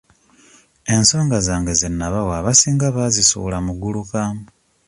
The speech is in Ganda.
Ensonga zange ze nnabawa abasinga baazisuula muguluka.